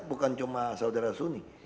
bukan cuma saudara suni